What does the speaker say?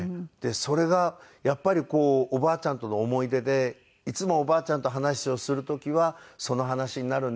「それがやっぱりおばあちゃんとの思い出でいつもおばあちゃんと話をする時はその話になるんです」。